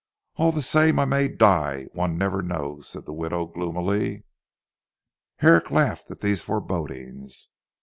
"All the same I may die; one never knows," said the widow gloomily. Herrick laughed at these forebodings.